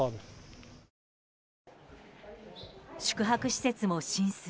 宿泊施設も浸水。